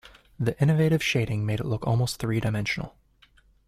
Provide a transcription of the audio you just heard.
The innovative shading made it look almost three-dimensional.